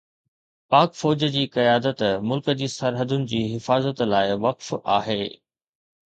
پاڪ فوج جي قيادت ملڪ جي سرحدن جي حفاظت لاءِ وقف آهي.